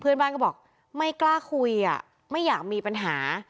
เพื่อนบ้านก็บอกไม่กล้าคุยอ่ะไม่อยากมีปัญหา